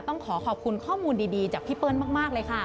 ต้องขอขอบคุณข้อมูลดีจากพี่เปิ้ลมากเลยค่ะ